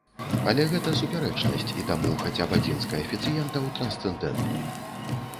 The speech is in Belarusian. Але гэта супярэчнасць, і таму хаця б адзін з каэфіцыентаў трансцэндэнтны.